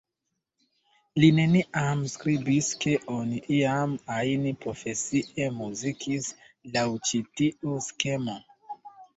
Li neniam skribis, ke oni iam ajn profesie muzikis laŭ ĉi tiu skemo.